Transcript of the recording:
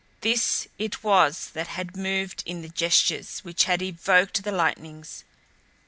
This it was that had moved in the gestures which had evoked the lightnings.